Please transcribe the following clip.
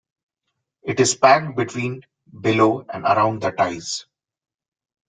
It is packed between, below, and around the ties.